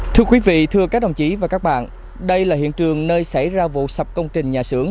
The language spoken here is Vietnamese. thưa quý vị thưa các đồng chí và các bạn đây là hiện trường nơi xảy ra vụ sập công trình nhà xưởng